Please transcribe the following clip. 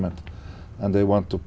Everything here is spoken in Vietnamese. để làm về văn hóa